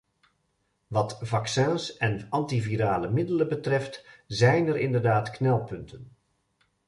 Wat vaccins en antivirale middelen betreft, zijn er inderdaad knelpunten.